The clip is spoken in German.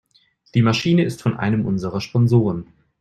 Die Maschine ist von einem unserer Sponsoren.